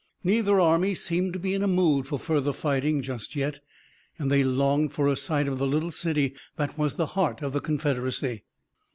Neither army seemed to be in a mood for further fighting just yet, and they longed for a sight of the little city that was the heart of the Confederacy.